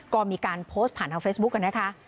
ก็มีการโพสต์ผ่านทางเฟซบุ๊คกันนะคะ